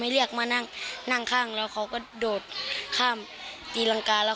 เรียกมานั่งนั่งข้างแล้วเขาก็โดดข้ามตีรังกาแล้ว